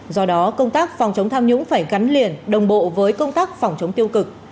do đó công tác phòng chống tham nhũng phải gắn liền đồng bộ với công tác phòng chống tiêu cực